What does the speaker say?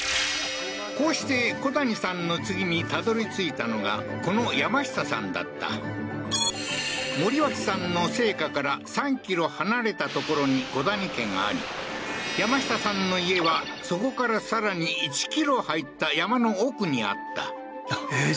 こうして古谷さんの次にたどり着いたのがこの山下さんだった森脇さんの生家から３ｋｍ離れた所に古谷家があり山下さんの家はそこからさらに１ｋｍ入った山の奥にあったええー